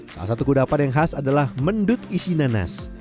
salah satu kudapan yang khas adalah mendut isi nanas